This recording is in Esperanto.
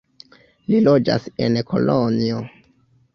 Li loĝas en Kolonjo.